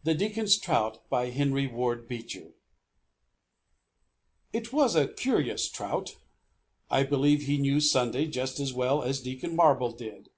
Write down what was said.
_ THE DEACON'S TROUT He was a curious trout. I believe he knew Sunday just as well as Deacon Marble did.